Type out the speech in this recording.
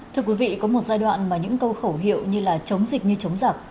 thưa quý vị có một giai đoạn mà những câu khẩu hiệu như là chống dịch như chống giặc